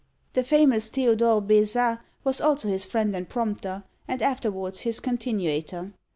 The famous Theodore Beza was also his friend and prompter, and afterwards his continuator.